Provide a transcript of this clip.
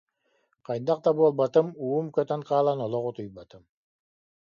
Хайдах да буолбатым, уум көтөн хаалан олох утуйбатым